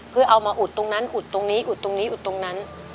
เพื่อเอามาอุดตรงนั้นอุดตรงนี้อุดตรงนี้อุดตรงนั้น